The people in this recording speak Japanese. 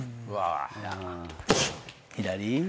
左。